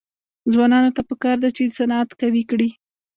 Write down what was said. ځوانانو ته پکار ده چې، صنعت قوي کړي.